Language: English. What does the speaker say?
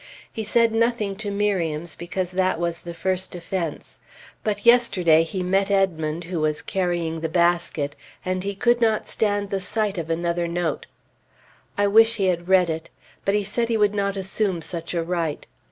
He said nothing to Miriam's, because that was first offense; but yesterday he met Edmond, who was carrying the basket, and he could not stand the sight of another note. I wish he had read it! But he said he would not assume such a right.